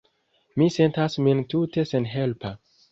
Mi sentas min tute senhelpa.